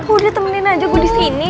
udah temenin aja gue disini